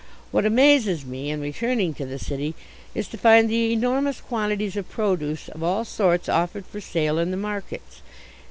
What amazes me, in returning to the city, is to find the enormous quantities of produce of all sorts offered for sale in the markets.